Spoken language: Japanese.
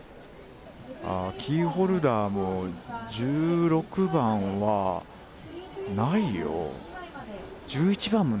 ああ、キーホルダーも１６番はないよ。